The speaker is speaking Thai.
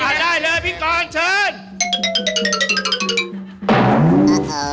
อ่ะไปได้เลยพี่กรอนเชิญ